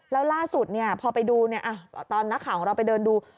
แล้วล่าสุดพอไปดูตอนนักข่าวของเราไปเดินดู